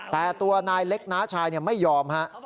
แต่ตัวนายเล็กน้าชายไม่ยอมฮะ